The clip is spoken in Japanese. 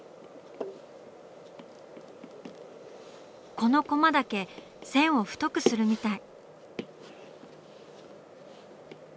このコマだけ線を太くするみたい。